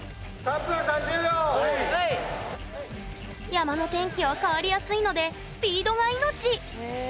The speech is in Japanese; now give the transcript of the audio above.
山の天気は変わりやすいのでスピードが命へえ。